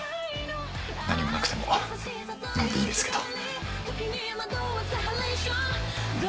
何もなくても飲んでいいですけど。